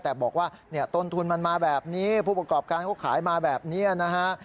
แต่บอกว่าต้นทุนมันมาแบบนี้ผู้ประกอบการเขาขายมาแบบนี้นะฮะ